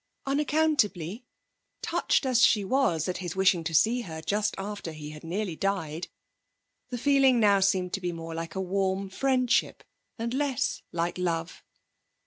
Unaccountably, touched as she was at his wishing to see her just after he had nearly died, the feeling now seemed to be more like a warm friendship, and less like love.